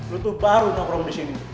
lu tuh baru keperluan di sini